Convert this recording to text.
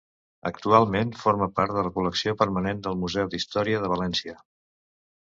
Actualment forma part de la col·lecció permanent del Museu d'història de València.